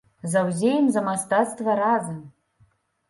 Заўзеем за мастацтва разам!